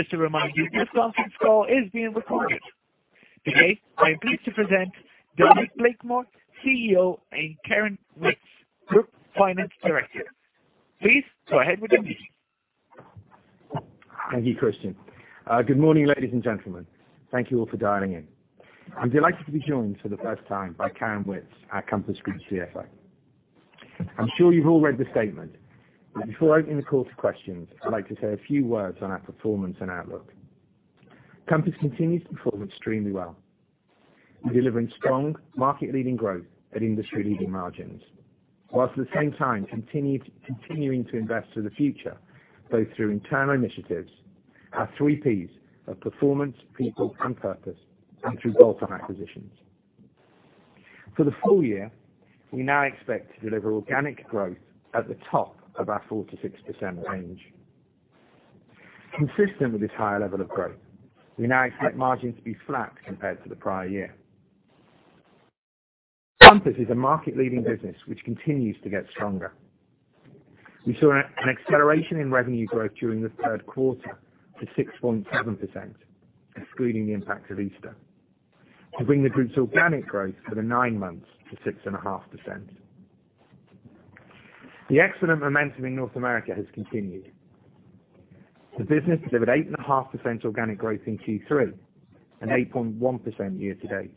Just to remind you, this conference call is being recorded. Today, I am pleased to present Dominic Blakemore, CEO, and Karen Witts, Group Finance Director. Please go ahead with your opening. Thank you, Christian. Good morning, ladies and gentlemen. Thank you all for dialing in. I'm delighted to be joined for the first time by Karen Witts, our Compass Group CFO. I'm sure you've all read the statement. Before opening the call to questions, I'd like to say a few words on our performance and outlook. Compass continues to perform extremely well, delivering strong market-leading growth at industry-leading margins, whilst at the same time continuing to invest for the future, both through internal initiatives, our three Ps of Performance, People, and Purpose, and through bolt-on acquisitions. For the full year, we now expect to deliver organic growth at the top of our 4-6% range. Consistent with this higher level of growth, we now expect margins to be flat compared to the prior year. Compass is a market-leading business, which continues to get stronger. We saw an acceleration in revenue growth during the third quarter to 6.7%, excluding the impact of Easter, to bring the group's organic growth for the nine months to 6.5%. The excellent momentum in North America has continued. The business delivered 8.5% organic growth in Q3 and 8.1% year-to-date.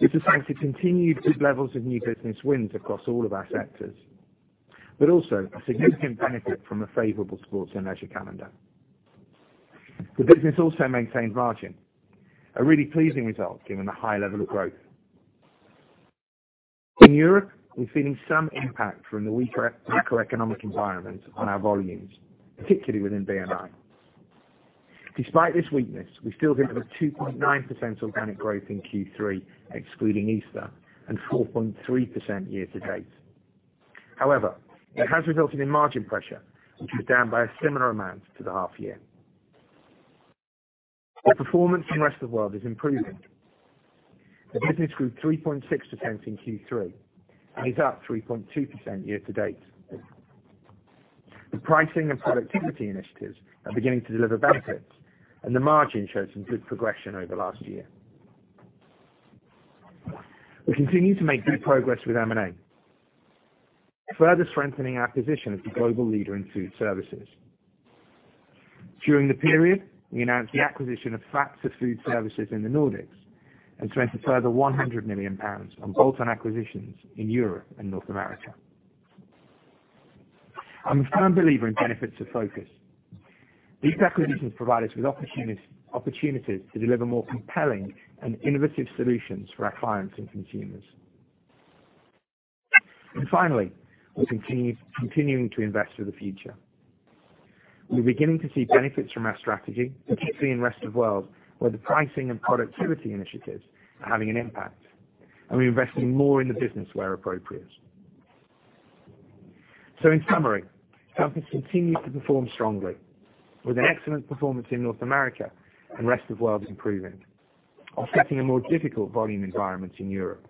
This is thanks to continued good levels of new business wins across all of our sectors, also a significant benefit from a favorable sports and leisure calendar. The business also maintained margin. A really pleasing result given the high level of growth. In Europe, we're feeling some impact from the weaker economic environment on our volumes, particularly within B&I. Despite this weakness, we still delivered 2.9% organic growth in Q3, excluding Easter, and 4.3% year-to-date. It has resulted in margin pressure, which was down by a similar amount to the half-year. The performance in Rest of World is improving. The business grew 3.6% in Q3 and is up 3.2% year-to-date. The pricing and productivity initiatives are beginning to deliver benefits, and the margin shows some good progression over last year. We continue to make good progress with M&A, further strengthening our position as the global leader in food services. During the period, we announced the acquisition of Fazer Food Services in the Nordics and spent a further 100 million pounds on bolt-on acquisitions in Europe and North America. I'm a firm believer in benefits of focus. These acquisitions provide us with opportunities to deliver more compelling and innovative solutions for our clients and consumers. Finally, we're continuing to invest for the future. We're beginning to see benefits from our strategy, particularly in Rest of World, where the pricing and productivity initiatives are having an impact, and we're investing more in the business where appropriate. In summary, Compass continues to perform strongly with an excellent performance in North America and Rest of World improving, offsetting a more difficult volume environment in Europe.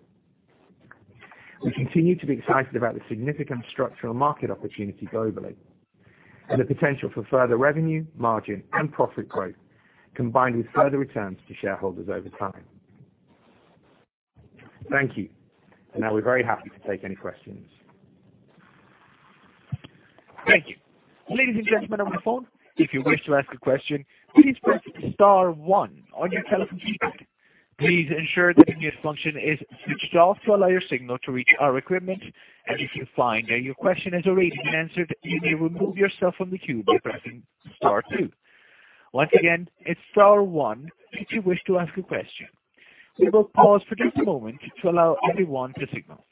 We continue to be excited about the significant structural market opportunity globally and the potential for further revenue, margin, and profit growth, combined with further returns to shareholders over time. Thank you. Now we're very happy to take any questions. Thank you. Ladies and gentlemen on the phone, if you wish to ask a question, please press star one on your telephone keypad. Please ensure that the mute function is switched off to allow your signal to reach our equipment. If you find that your question has already been answered, you may remove yourself from the queue by pressing star two. Once again, it's star one if you wish to ask a question. We will pause for just a moment to allow everyone to signal.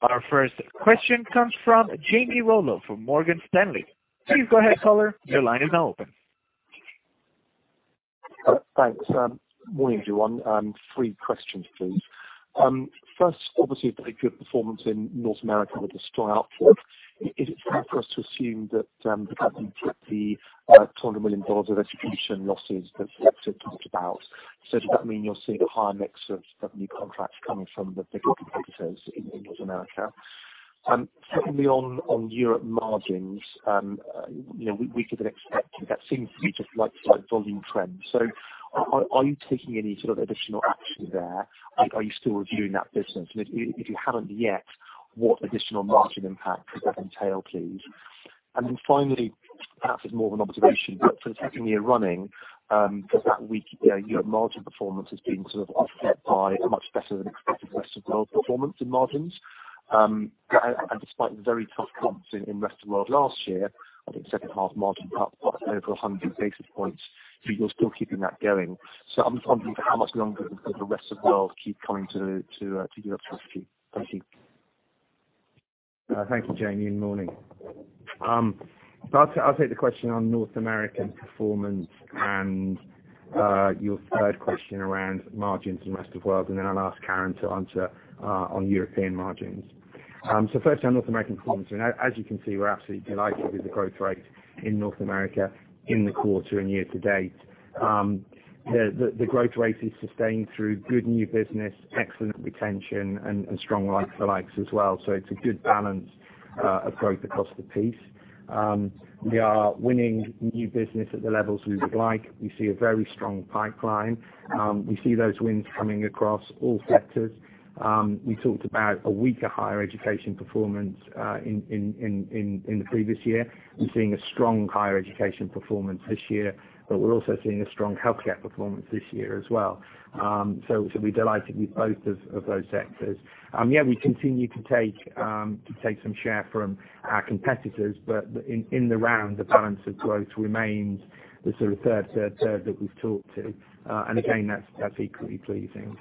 Our first question comes from Jamie Rollo from Morgan Stanley. Please go ahead, caller. Your line is now open. Thanks. Morning, everyone. Three questions, please. First, obviously, a very good performance in North America with a strong outlook. Is it fair for us to assume that the company took the GBP 200 million of execution losses that Philip had talked about? Does that mean you're seeing a higher mix of new contracts coming from the bigger competitors in North America? Secondly, on Europe margins, we could have expected that seems to be just like volume trend. Are you taking any sort of additional action there? Are you still reviewing that business? If you haven't yet, what additional margin impact could that entail, please? Finally, perhaps it's more of an observation, for the second year running, because that weak Europe margin performance has been sort of offset by much better-than-expected Rest of World performance in margins. Despite the very tough comps in Rest of World last year, I think second half margin up over 100 basis points. You're still keeping that going. I'm wondering for how much longer the Rest of World keep coming to Europe's rescue. Thank you. Thank you, Jamie, and morning. I'll take the question on North America performance and your third question around margins in Rest of World, and then I'll ask Karen to answer on European margins. Firstly, on North America performance, as you can see, we're absolutely delighted with the growth rate in North America in the quarter and year to date. The growth rate is sustained through good new business, excellent retention, and strong likes for likes as well. It's a good balance of growth across the piece. We are winning new business at the levels we would like. We see a very strong pipeline. We see those wins coming across all sectors. We talked about a weaker higher education performance in the previous year. We're seeing a strong higher education performance this year, but we're also seeing a strong healthcare performance this year as well. We're delighted with both of those sectors. We continue to take some share from our competitors, but in the round, the balance of growth remains the sort of third that we've talked to. Again, that's equally pleasing.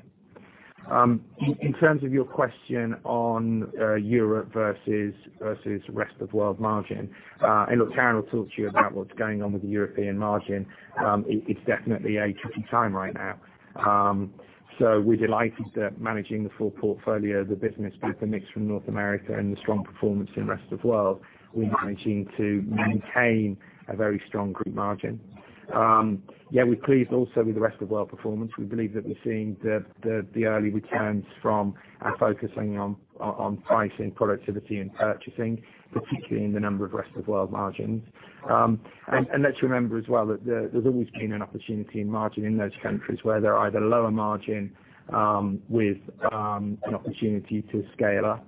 In terms of your question on Europe versus rest of world margin. Look, Karen will talk to you about what's going on with the European margin. It's definitely a tricky time right now. We're delighted that managing the full portfolio, the business with the mix from North America and the strong performance in rest of world, we're managing to maintain a very strong group margin. We're pleased also with the rest of world performance. We believe that we're seeing the early returns from our focusing on Pricing, Productivity, and Purchasing, particularly in the number of rest of world margins. Let's remember as well that there's always been an opportunity in margin in those countries where they're either lower margin with an opportunity to scale up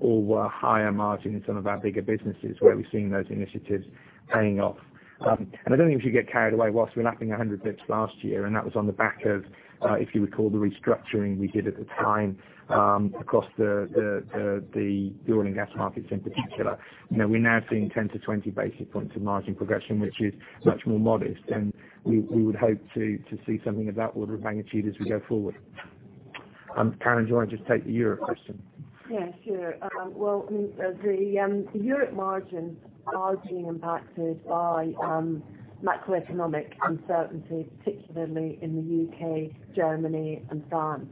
or were higher margin in some of our bigger businesses where we're seeing those initiatives paying off. I don't think we should get carried away. Whilst we're lapping 100 basis points last year, and that was on the back of, if you recall, the restructuring we did at the time across the oil and gas markets in particular. We're now seeing 10 to 20 basis points of margin progression, which is much more modest, and we would hope to see something of that order of magnitude as we go forward. Karen, do you want to just take the Europe question? Sure. Well, the Europe margins are being impacted by macroeconomic uncertainty, particularly in the U.K., Germany, and France.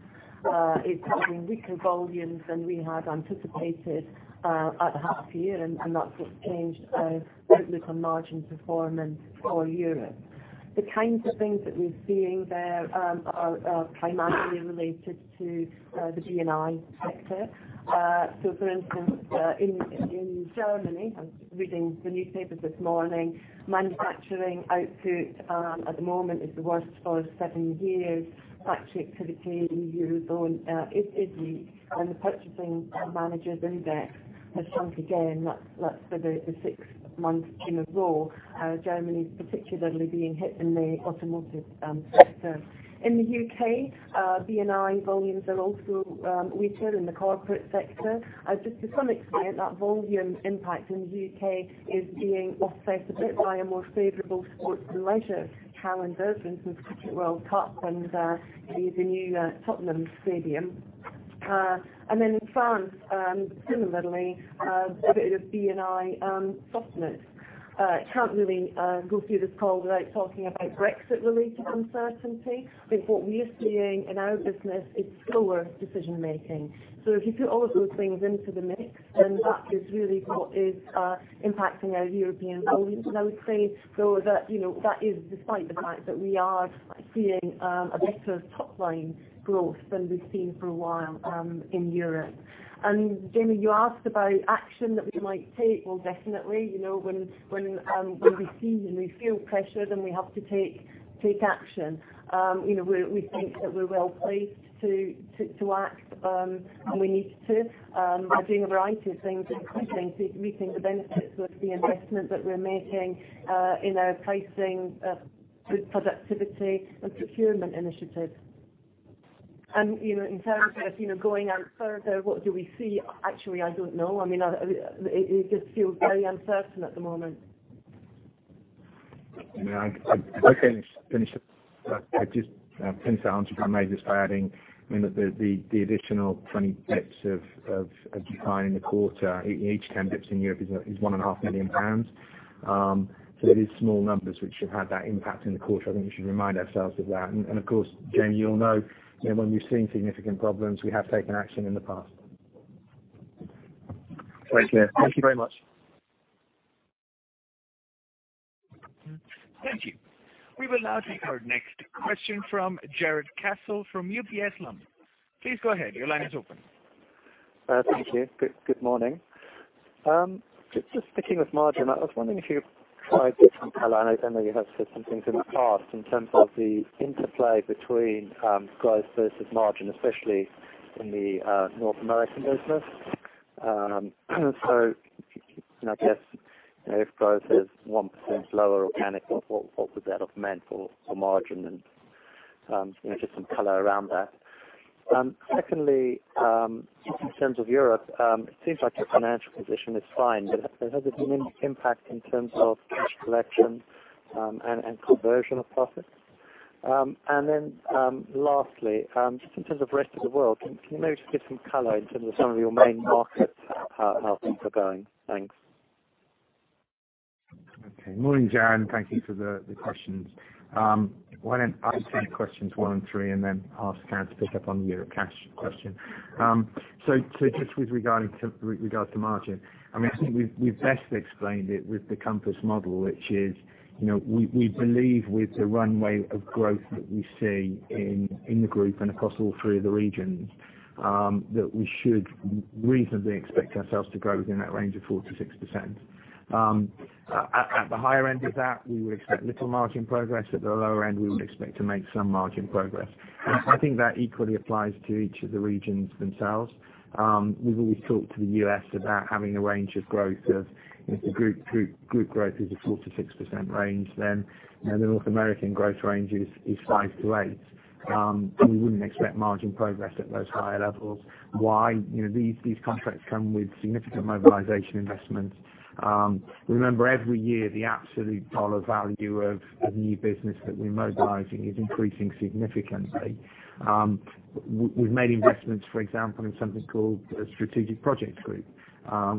It's having weaker volumes than we had anticipated at the half year. That's what's changed the outlook on margin performance for Europe. The kinds of things that we're seeing there are primarily related to the B&I sector. For instance, in Germany, I was reading the newspaper this morning, manufacturing output at the moment is the worst for seven years. Factory activity in the Eurozone is weak. The Purchasing Managers' Index has shrunk again. That's for the sixth month in a row. Germany's particularly being hit in the automotive sector. In the U.K., B&I volumes are also weaker in the corporate sector. Just to some extent, that volume impact in the U.K. is being offset a bit by a more favorable sports and leisure calendar. For instance, Rugby World Cup and the new Tottenham stadium. In France, similarly, a bit of B&I softness. Can't really go through this call without talking about Brexit-related uncertainty. I think what we are seeing in our business is slower decision making. If you put all of those things into the mix, then that is really what is impacting our European volumes. I would say, though, that that is despite the fact that we are seeing a better top-line growth than we've seen for a while in Europe. Jamie, you asked about action that we might take. Well, definitely. When we see and we feel pressure, then we have to take action. We think that we're well placed to act, and we need to. We're doing a variety of things, including reaping the benefits of the investment that we're making in our pricing with productivity and procurement initiatives. In terms of going out further, what do we see? Actually, I don't know. It just feels very uncertain at the moment. If I finish that, I'd just finish that answer if I may, just by adding the additional 20 basis points of decline in the quarter. Each 10 basis points in Europe is one and a half million GBP. It is small numbers which have had that impact in the quarter. I think we should remind ourselves of that. Of course, Jamie, you'll know that when we've seen significant problems, we have taken action in the past. Great. Thank you very much. Thank you. We will now take our next question from Jarrod Castle from UBS London. Please go ahead. Your line is open. Thank you. Good morning. Just sticking with margin, I was wondering if you could provide some color. I know you have said some things in the past in terms of the interplay between growth versus margin, especially in the North American business. I guess if growth is 1% lower organic, what would that have meant for margin? Just some color around that. Secondly, in terms of Europe, it seems like your financial position is fine, but has it been an impact in terms of cash collection and conversion of profits? Lastly, just in terms of rest of the world, can you maybe just give some color in terms of some of your main markets, how things are going? Thanks. Okay. Morning, Jarrod. Thank you for the questions. Why don't I take questions one and three, and then ask Karen to pick up on the Europe cash question? Just with regards to margin, I think we've best explained it with the Compass model, which is, we believe with the runway of growth that we see in the group and across all three of the regions, that we should reasonably expect ourselves to grow within that range of 4%-6%. At the higher end of that, we would expect little margin progress. At the lower end, we would expect to make some margin progress. I think that equally applies to each of the regions themselves. We've always talked to the U.S. about having a range of growth of, if the group growth is a 4%-6% range, then the North American growth range is 5%-8%. We wouldn't expect margin progress at those higher levels. Why? These contracts come with significant mobilization investments. Remember, every year, the absolute dollar value of new business that we're mobilizing is increasing significantly. We've made investments, for example, in something called a strategic project group,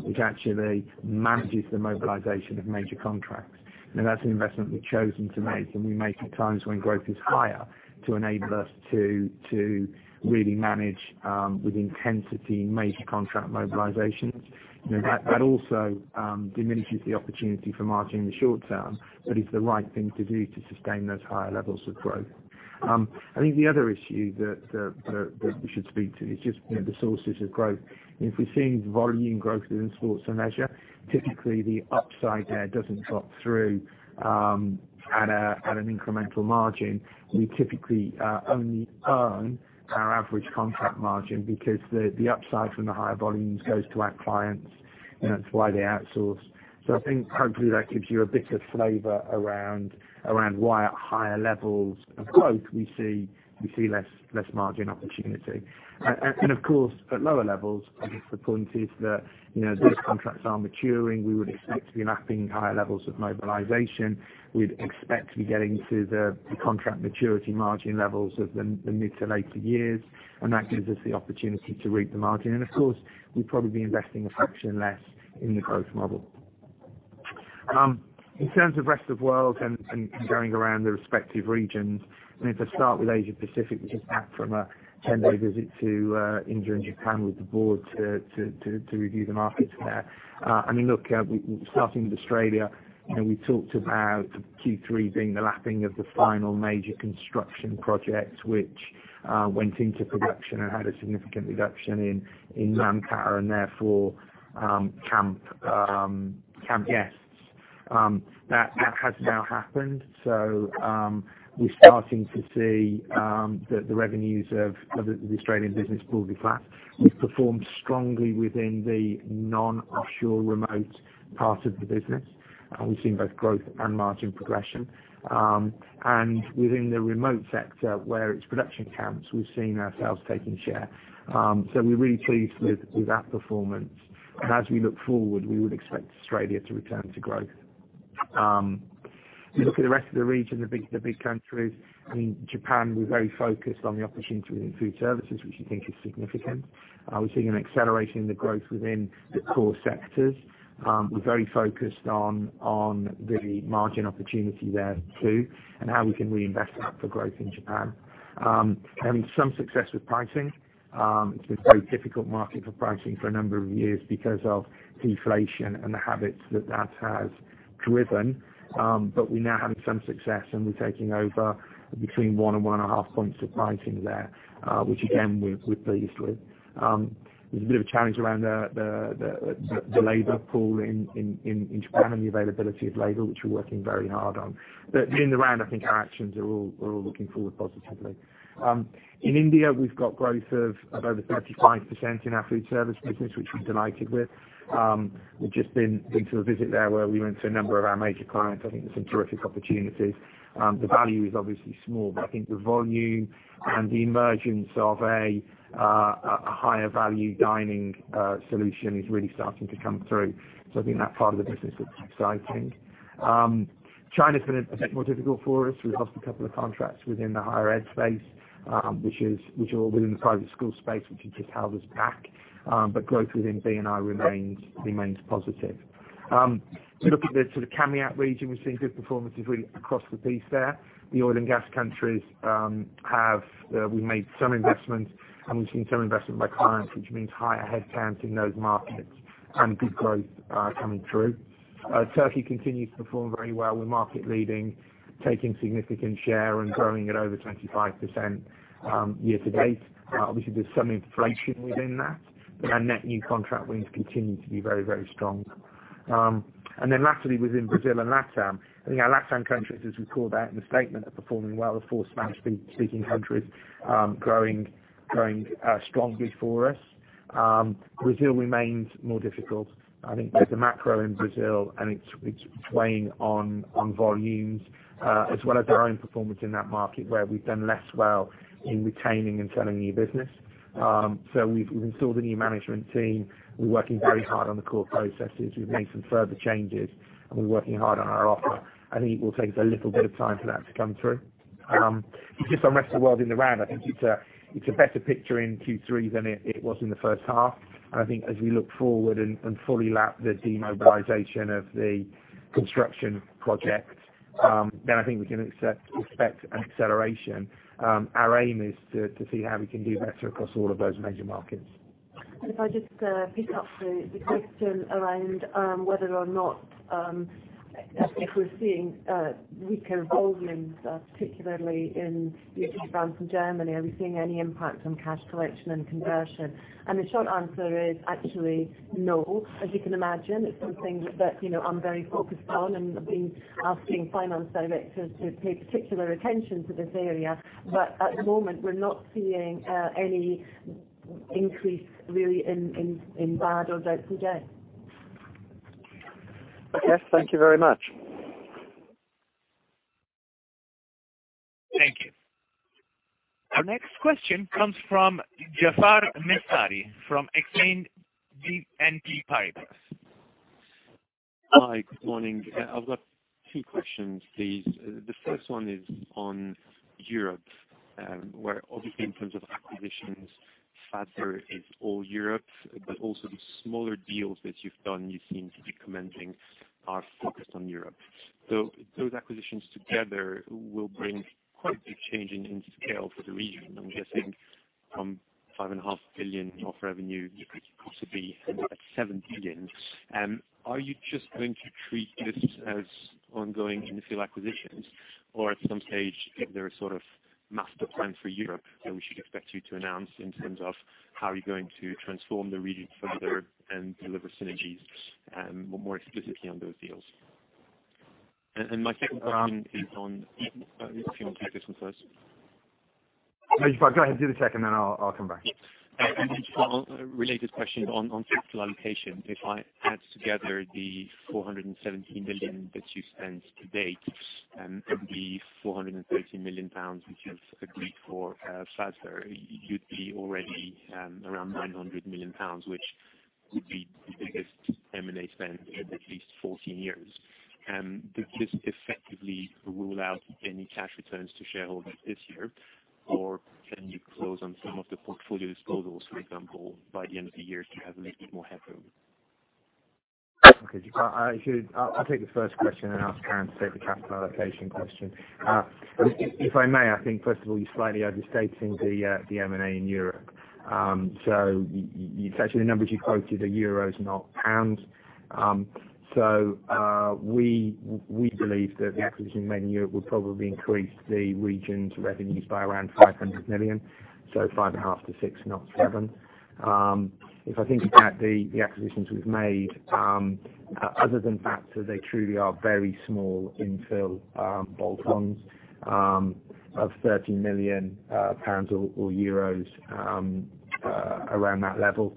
which actually manages the mobilization of major contracts. That's an investment we've chosen to make, and we make at times when growth is higher to enable us to really manage with intensity major contract mobilizations. That also diminishes the opportunity for margin in the short term, but it's the right thing to do to sustain those higher levels of growth. I think the other issue that we should speak to is just the sources of growth. If we are seeing volume growth within sports and leisure, typically the upside there doesn't drop through at an incremental margin. We typically only earn our average contract margin because the upside from the higher volumes goes to our clients, and that's why they outsource. I think hopefully that gives you a bit of flavor around why at higher levels of growth, we see less margin opportunity. Of course, at lower levels, I guess the point is that those contracts are maturing. We would expect to be mapping higher levels of mobilization. We'd expect to be getting to the contract maturity margin levels of the mid to later years, and that gives us the opportunity to reap the margin. Of course, we'd probably be investing a fraction less in the growth model. In terms of rest of world and going around the respective regions, to start with Asia Pacific, we just back from a 10-day visit to India and Japan with the board to review the markets there. Starting with Australia, we talked about Q3 being the lapping of the final major construction project, which went into production and had a significant reduction in [Namkar] and therefore camp guests. That has now happened. We're starting to see the revenues of the Australian business broadly flat. We've performed strongly within the non-offshore remote part of the business. We've seen both growth and margin progression. Within the remote sector, where it's production camps, we've seen ourselves taking share. We're really pleased with that performance. As we look forward, we would expect Australia to return to growth. If you look at the rest of the region, the big countries, in Japan, we're very focused on the opportunity in food services, which we think is significant. We're seeing an acceleration in the growth within the core sectors. We're very focused on the margin opportunity there, too, and how we can reinvest that for growth in Japan. Having some success with pricing. It's been a very difficult market for pricing for a number of years because of deflation and the habits that that has driven. We now have some success, and we're taking over between one and one and a half points of pricing there, which again, we're pleased with. There's a bit of a challenge around the labor pool in Japan and the availability of labor, which we're working very hard on. In the round, I think our actions are all looking forward positively. In India, we've got growth of over 35% in our food service business, which we're delighted with. We've just been to a visit there where we went to a number of our major clients. I think there's some terrific opportunities. The value is obviously small. I think the volume and the emergence of a higher value dining solution is really starting to come through. I think that part of the business looks exciting. China's been a bit more difficult for us. We lost a couple of contracts within the higher ed space, which are all within the private school space, which has just held us back. Growth within B&I remains positive. If you look at the sort of CAMEA region, we've seen good performances really across the piece there. The oil and gas countries, we made some investments, and we've seen some investment by clients, which means higher headcounts in those markets and good growth coming through. Turkey continues to perform very well. We're market leading, taking significant share and growing at over 25% year to date. Obviously, there's some inflation within that, but our net new contract wins continue to be very, very strong. Lastly, within Brazil and Latam, I think our Latam countries, as we called out in the statement, are performing well. The four Spanish-speaking countries growing strongly for us. Brazil remains more difficult. I think there's a macro in Brazil, and it's weighing on volumes, as well as our own performance in that market where we've done less well in retaining and selling new business. We've installed a new management team. We're working very hard on the core processes. We've made some further changes, and we're working hard on our offer. I think it will take us a little bit of time for that to come through. Just on rest of the world, in the round, I think it's a better picture in Q3 than it was in the first half. I think as we look forward and fully lap the demobilization of the construction project, then I think we can expect an acceleration. Our aim is to see how we can do better across all of those major markets. If I just pick up the question around whether or not if we're seeing weaker volumes, particularly in U.K. B&I and Germany, are we seeing any impact on cash collection and conversion? The short answer is actually no. As you can imagine, it's something that I'm very focused on and been asking finance directors to pay particular attention to this area. At the moment, we're not seeing any increase, really, in bad or DPD. Okay. Thank you very much. Thank you. Our next question comes from Jaafar Mestari from Exane BNP Paribas. Hi. Good morning. I've got two questions, please. The first one is on Europe, where obviously in terms of Or can you close on some of the portfolio disposals, for example, by the end of the year to have a little bit more headroom? Okay. I'll take the first question and ask Karen to take the capital allocation question. If I may, I think first of all, you're slightly overstating the M&A in Europe. It's actually the numbers you quoted are euros, not pounds. We believe that the acquisition made in Europe would probably increase the region's revenues by around 500 million, 5.5 billion-6 billion, not 7 billion. If I think about the acquisitions we've made, other than Fazer, they truly are very small infill bolt-ons of 30 million pounds or EUR 30 million, around that level,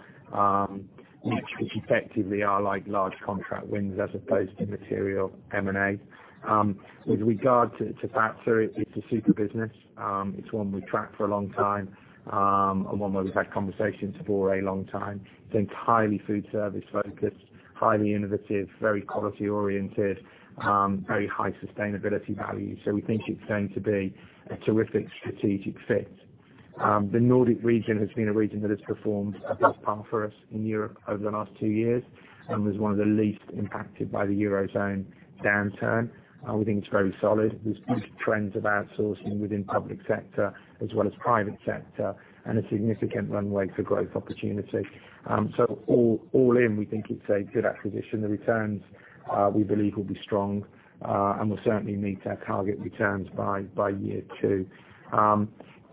which effectively are like large contract wins as opposed to material M&A. With regard to Fazer, it's a super business. It's one we've tracked for a long time, and one where we've had conversations for a long time. It's entirely food service focused, highly innovative, very quality oriented, very high sustainability value. We think it's going to be a terrific strategic fit. The Nordic region has been a region that has performed above par for us in Europe over the last two years and was one of the least impacted by the Eurozone downturn. We think it's very solid. There's good trends of outsourcing within public sector as well as private sector and a significant runway for growth opportunity. All in, we think it's a good acquisition. The returns we believe will be strong, and we'll certainly meet our target returns by year two.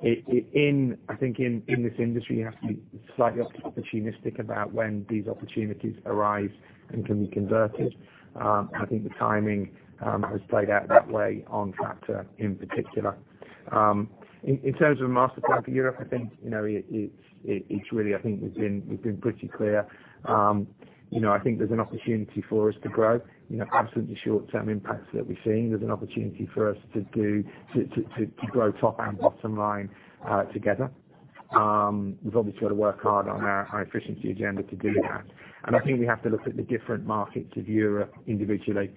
I think in this industry, you have to be slightly opportunistic about when these opportunities arise and can be converted. I think the timing has played out that way on Fazer in particular. In terms of a master plan for Europe, I think we've been pretty clear. I think there's an opportunity for us to grow. Absolutely short-term impacts that we're seeing. There's an opportunity for us to grow top and bottom line together. We've obviously got to work hard on our efficiency agenda to do that. I think we have to look at the different markets of Europe individually,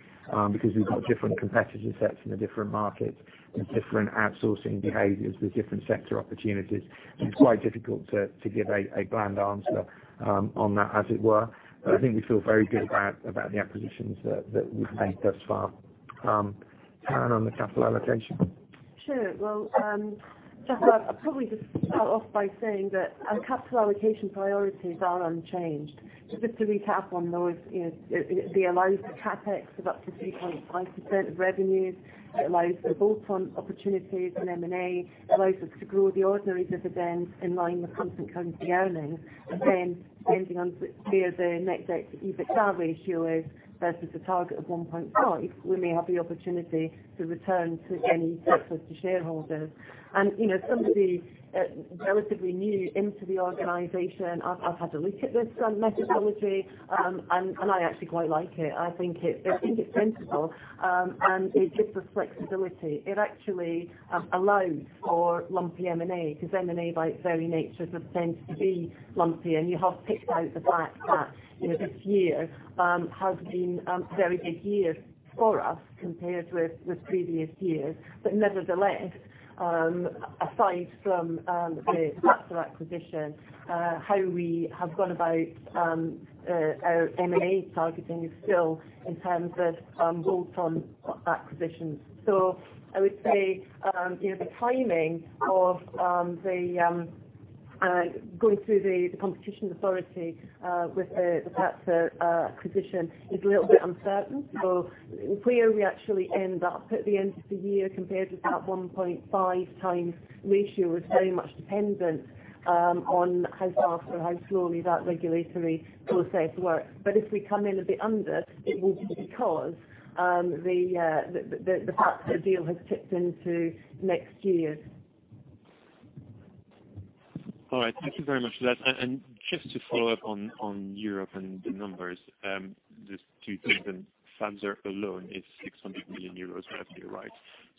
because we've got different competitor sets in the different markets and different outsourcing behaviors with different sector opportunities. It's quite difficult to give a bland answer on that, as it were. I think we feel very good about the acquisitions that we've made thus far. Karen, on the capital allocation. Sure. Well, Jaafar, I'll probably just start off by saying that our capital allocation priorities are unchanged. Just to recap on those, they allow us the CapEx of up to 3.5% of revenues. It allows for bolt-on opportunities and M&A, allows us to grow the ordinary dividends in line with constant currency earnings. Depending on where the net debt to EBITDA ratio is versus the target of 1.5, we may have the opportunity to return to any surplus to shareholders. Somebody relatively new into the organization, I've had a look at this methodology, and I actually quite like it. I think it's sensible, and it gives us flexibility. It actually allows for lumpy M&A, because M&A by its very nature is destined to be lumpy. You have picked out the fact that this year has been a very big year for us compared with previous years. Nevertheless, aside from the Fazer acquisition, how we have gone about our M&A targeting is still in terms of bolt-on acquisitions. I would say, the timing of going through the competition authority with the Fazer acquisition is a little bit uncertain. Where we actually end up at the end of the year compared with that 1.5 times ratio is very much dependent on how fast or how slowly that regulatory process works. If we come in a bit under, it will be because the Fazer deal has tipped into next year. All right. Thank you very much for that. Just to follow up on Europe and the numbers, just to think that Fazer alone is 600 million euros roughly, right?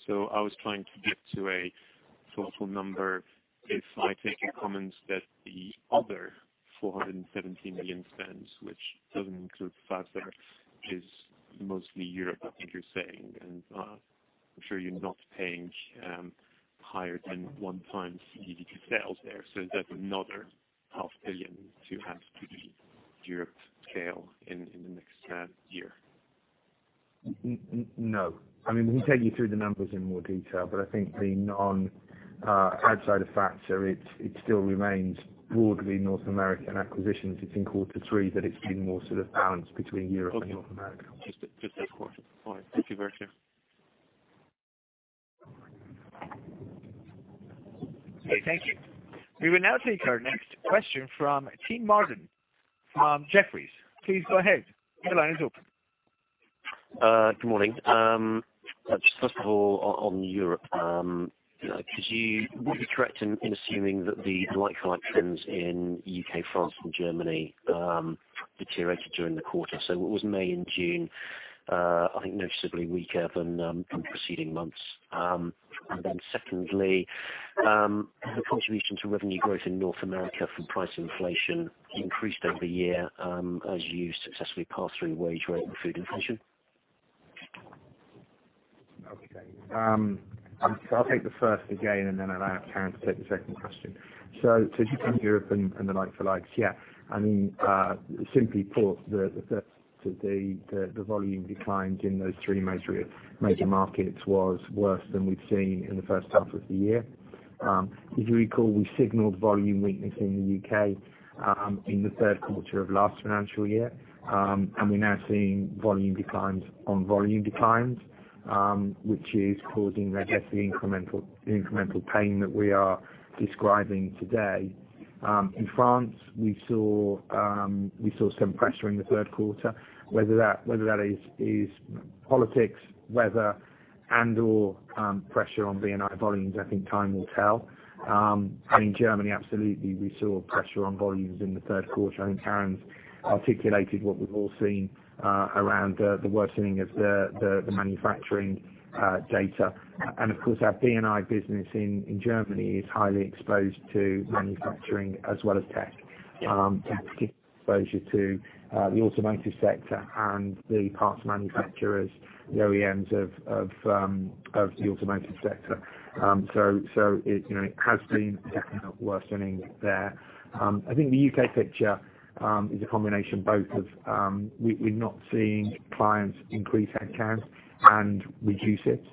I was trying to get to a thoughtful number if I take your comment that the other 470 million spends, which doesn't include Fazer, is mostly Europe, I think you're saying. I'm sure you're not paying higher than 1x EBIT sales there. Is that another half billion to have to de- Europe scale in the next financial year? No. We can take you through the numbers in more detail, but I think outside of Fazer, it still remains broadly North American acquisitions. It's in quarter three that it's been more sort of balanced between Europe and North America. Okay. Just to ask that question. All right. Thank you very much. Okay, thank you. We will now take our next question from Kean Marden from Jefferies. Please go ahead. Your line is open. Good morning. First of all, on Europe, would we be correct in assuming that the like-for-likes in U.K., France, and Germany deteriorated during the quarter? What was May and June, I think noticeably weaker than preceding months. Secondly, the contribution to revenue growth in North America from price inflation increased over the year as you successfully passed through wage rate and food inflation. Okay. I'll take the first again, and then I'll ask Karen to take the second question. Did you take Europe and the like-for-likes? Yeah. Simply put, the volume declines in those three major markets was worse than we've seen in the first half of the year. If you recall, we signaled volume weakness in the U.K. in the third quarter of last financial year, and we're now seeing volume declines on volume declines, which is causing the incremental pain that we are describing today. In France, we saw some pressure in the third quarter, whether that is politics, weather, and or pressure on B&I volumes, I think time will tell. In Germany, absolutely, we saw pressure on volumes in the third quarter. I think Karen's articulated what we've all seen around the worsening of the manufacturing data. Of course, our B&I business in Germany is highly exposed to manufacturing as well as tech. Tech gives exposure to the automotive sector and the parts manufacturers, the OEMs of the automotive sector. It has been definitely worsening there. I think the U.K. picture is a combination both of we're not seeing clients increase head count and reduce it,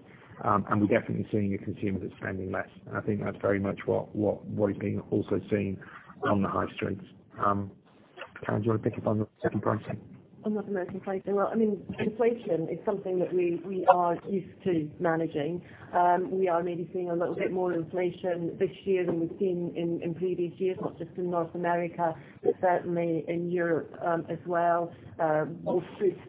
and we're definitely seeing a consumer that's spending less. I think that's very much what is being also seen on the high streets. Karen, do you want to pick up on the second question? On the inflation. Well, inflation is something that we are used to managing. We are maybe seeing a little bit more inflation this year than we've seen in previous years, not just in North America, but certainly in Europe as well, both food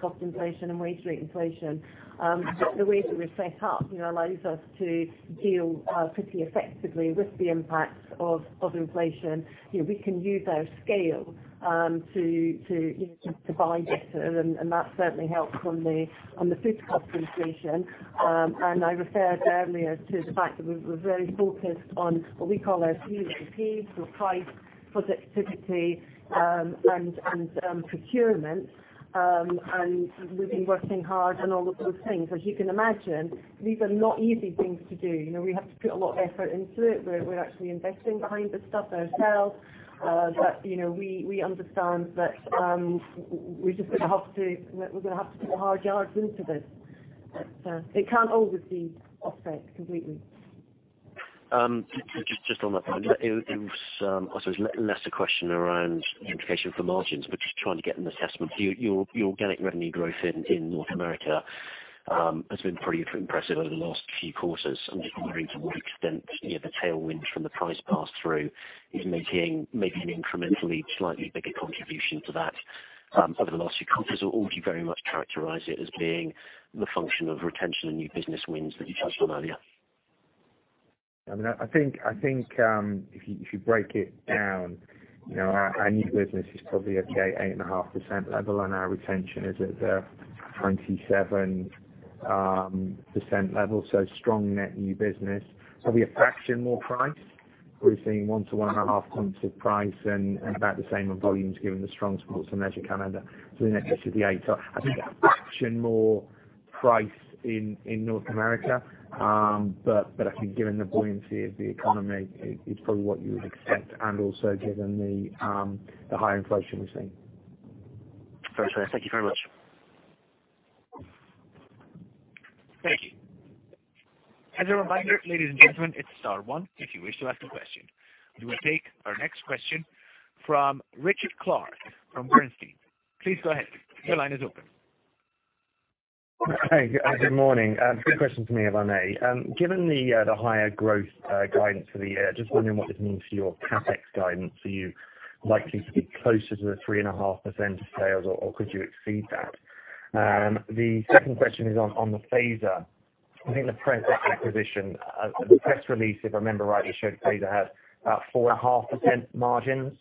cost inflation and wage rate inflation. The way that we're set up allows us to deal pretty effectively with the impacts of inflation. We can use our scale to buy better, and that certainly helps on the food cost inflation. I referred earlier to the fact that we're very focused on what we call our PPP, so Price, Productivity, and Procurement, and we've been working hard on all of those things. As you can imagine, these are not easy things to do. We have to put a lot of effort into it. We're actually investing behind the stuff ourselves. We understand that we're just going to have to put the hard yards into this. It can't always be offset completely. Just on that point, I suppose less a question around the implication for margins. Just trying to get an assessment. Your organic revenue growth in North America has been pretty impressive over the last few quarters. I'm just wondering to what extent the tailwind from the price pass-through is making maybe an incrementally slightly bigger contribution to that over the last few quarters, or would you very much characterize it as being the function of retention and new business wins that you touched on earlier? I think if you break it down, our new business is probably at the 8.5% level, and our retention is at the 27% level. Strong net new business. Probably a fraction more price. We're seeing 1 to 1.5 points of price and about the same on volumes given the strong sports and leisure calendar. The net is at the 8. I think a fraction more price in North America. I think given the buoyancy of the economy, it's probably what you would expect and also given the higher inflation we're seeing. Very clear. Thank you very much. As a reminder, ladies and gentlemen, it's star one if you wish to ask a question. We will take our next question from Richard Clarke from Bernstein. Please go ahead. Your line is open. Good morning. A quick question from me, if I may. Given the higher growth guidance for the year, just wondering what this means for your CapEx guidance. Are you likely to be closer to the 3.5% of sales or could you exceed that? The second question is on the Fazer. I think the press acquisition, the press release, if I remember rightly, showed Fazer had about 4.5% margins.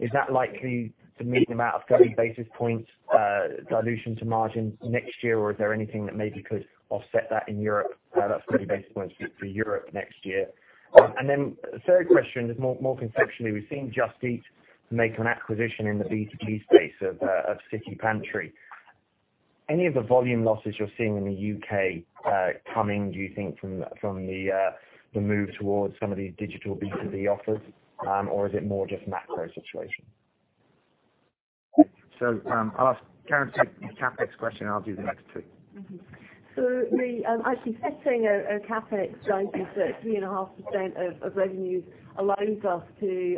Is that likely to meet the amount of 30 basis points dilution to margin next year, or is there anything that maybe could offset that in Europe, that's 30 basis points for Europe next year? The third question is more conceptually. We've seen Just Eat make an acquisition in the B2B space of City Pantry. Any of the volume losses you're seeing in the U.K. coming, do you think from the move towards some of these digital B2B offers, or is it more just macro situation? I'll ask Karen to take the CapEx question, and I'll do the next two. We, I keep saying our CapEx guidance is at 3.5% of revenue, allows us to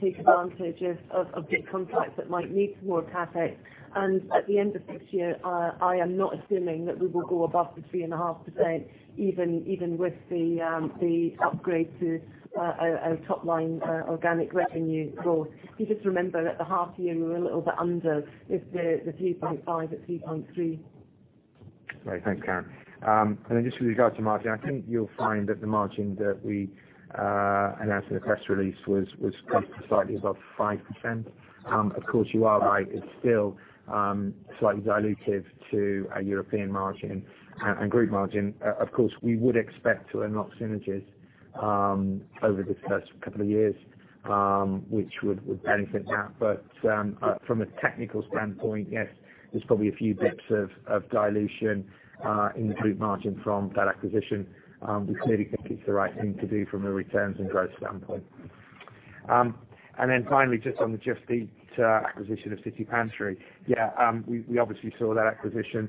take advantage of big contracts that might need some more CapEx. At the end of this year, I am not assuming that we will go above the 3.5%, even with the upgrade to our top-line organic revenue growth. If you just remember at the half year, we were a little bit under the 3.5% at 3.3%. Great. Thanks, Karen. Just with regard to margin, I think you'll find that the margin that we announced in the press release was slightly above 5%. Of course, you are right. It's still slightly dilutive to our European margin and group margin. Of course, we would expect to unlock synergies over the first couple of years, which would benefit that. From a technical standpoint, yes, there's probably a few bips of dilution in the group margin from that acquisition. We clearly think it's the right thing to do from a returns and growth standpoint. Finally, just on the Just Eat acquisition of City Pantry. Yeah, we obviously saw that acquisition.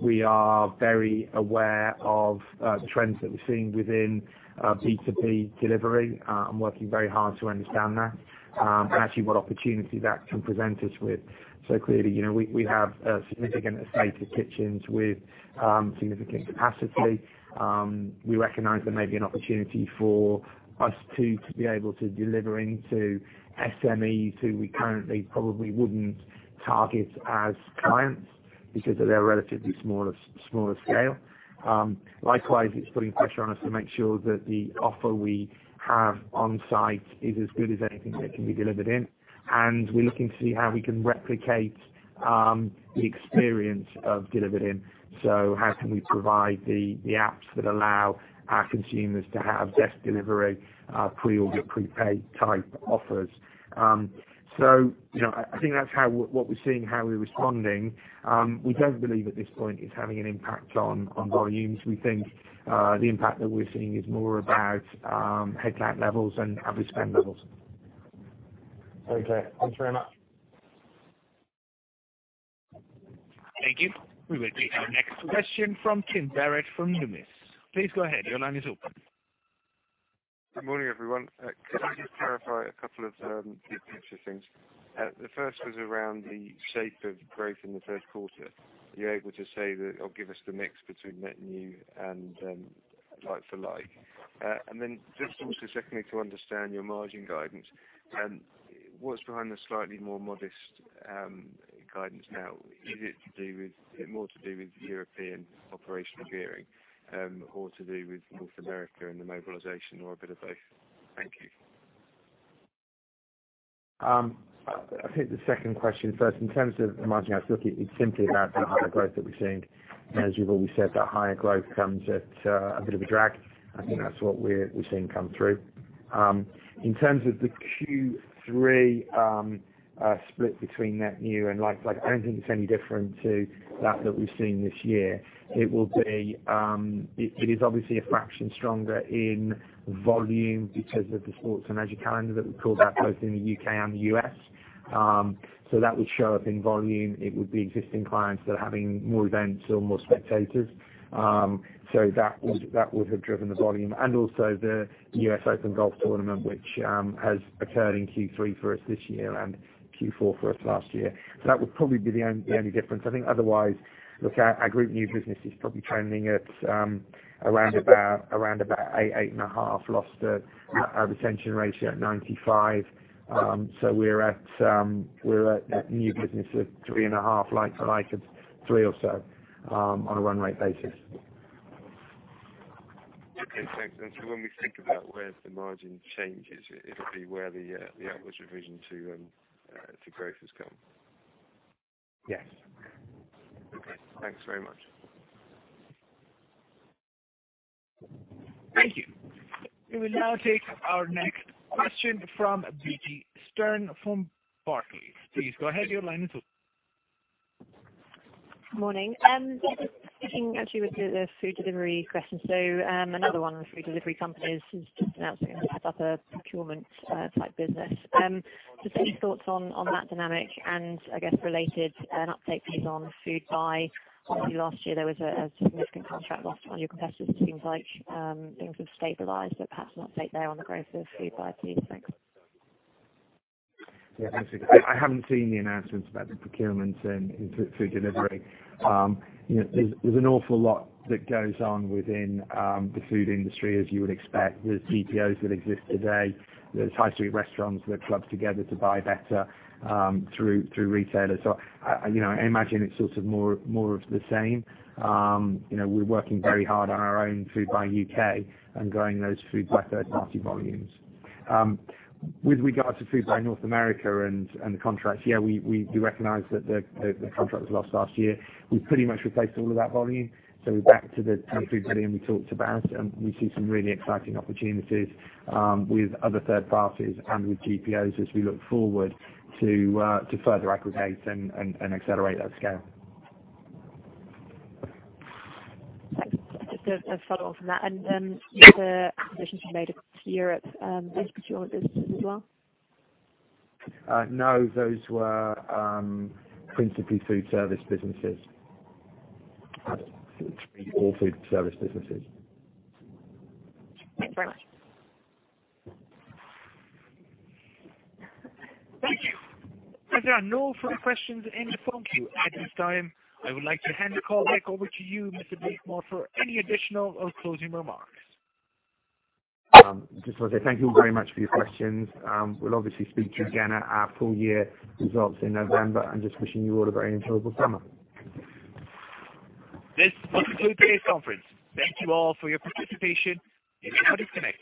We are very aware of the trends that we're seeing within B2B delivery and working very hard to understand that, and actually what opportunity that can present us with. Clearly, we have a significant estate of kitchens with significant capacity. We recognize there may be an opportunity for us too to be able to deliver into SMEs who we currently probably wouldn't target as clients because of their relatively smaller scale. Likewise, it's putting pressure on us to make sure that the offer we have on-site is as good as anything that can be delivered in. We're looking to see how we can replicate the experience of delivered in. How can we provide the apps that allow our consumers to have desk delivery, pre-order, prepaid type offers? I think that's what we're seeing, how we're responding. We don't believe at this point it's having an impact on volumes. We think the impact that we're seeing is more about headcount levels and average spend levels. Okay. Thanks very much. Thank you. We will take our next question from Tim Barrett from Numis. Please go ahead. Your line is open. Good morning, everyone. Could you just clarify a couple of big picture things? The first was around the shape of growth in the first quarter. Were you able to say that, or give us the mix between net new and like-for-like? Just also secondly, to understand your margin guidance, what's behind the slightly more modest guidance now? Is it more to do with European operational gearing, or to do with North America and the mobilization, or a bit of both? Thank you. I'll take the second question first. In terms of margin, I still think it's simply about the higher growth that we're seeing. As you've always said, that higher growth comes at a bit of a drag. I think that's what we're seeing come through. In terms of the Q3 split between net new and like-for-like, I don't think it's any different to that that we've seen this year. It is obviously a fraction stronger in volume because of the sports and leisure calendar that we called out, both in the U.K. and the U.S. That would show up in volume. It would be existing clients that are having more events or more spectators. That would have driven the volume and also the US Open golf tournament, which has occurred in Q3 for us this year and Q4 for us last year. That would probably be the only difference. I think otherwise, look, our group new business is probably trending at around about 8%, 8.5%. Lost our retention ratio at 95%. We're at net new business at 3.5%, like-for-like at 3% or so, on a run rate basis. Okay, thanks. When we think about where the margin change is, it'll be where the outlook revision to growth has come. Yes. Okay. Thanks very much. Thank you. We will now take our next question from Vicki Stern from Barclays. Please go ahead. Your line is open. Morning. Just sticking actually with the food delivery question. Another one of the food delivery companies is just announcing a procurement-type business. Just any thoughts on that dynamic and I guess related, an update please on Foodbuy? Obviously last year there was a significant contract lost to one of your competitors. It seems like things have stabilized, but perhaps an update there on the growth of Foodbuy too. Thanks. Thanks. I haven't seen the announcements about the procurements in food delivery. There's an awful lot that goes on within the food industry, as you would expect. There's GPOs that exist today. There's high street restaurants that club together to buy better through retailers. I imagine it's sort of more of the same. We're working very hard on our own Foodbuy UK and growing those Foodbuy third-party volumes. With regard to Foodbuy North America and the contracts, we recognize that the contract was lost last year. We pretty much replaced all of that volume. We're back to the GBP 10 billion we talked about, and we see some really exciting opportunities, with other third parties and with GPOs as we look forward to further aggregate and accelerate that scale. Thanks. Just a follow on from that. The acquisitions you made across Europe, those procurement businesses as well? No, those were principally food service businesses. All food service businesses. Thanks very much. Thank you. As there are no further questions in the phone queue at this time, I would like to hand the call back over to you, Mr. Blakemore, for any additional or closing remarks. Just want to say thank you all very much for your questions. We'll obviously speak to you again at our full year results in November. Just wishing you all a very enjoyable summer. This will conclude today's conference. Thank you all for your participation. You may disconnect.